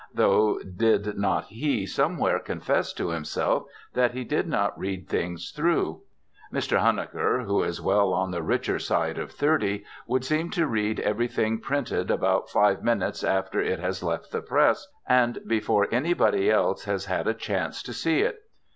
Though did not he somewhere confess to himself that he did not read things through? Mr. Huneker, who is well on the richer side of thirty, would seem to read everything printed about five minutes after it has left the press, and before anybody else has had a chance to see it.